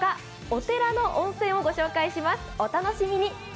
お寺の温泉をご紹介します、お楽しみに。